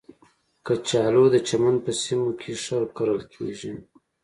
کچالو د چمن په سیمو کې ښه کرل کېږي